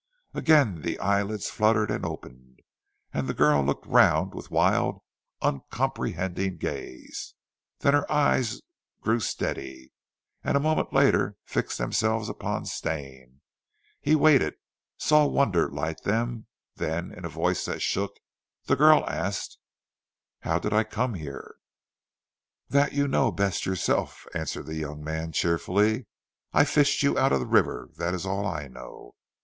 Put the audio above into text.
Again the eyelids fluttered and opened, and the girl looked round with wild, uncomprehending gaze, then her eyes grew steady, and a moment later fixed themselves upon Stane. He waited, saw wonder light them, then, in a voice that shook, the girl asked: "How did I come here?" "That you know best yourself," answered the young man, cheerfully. "I fished you out of the river, that is all I know."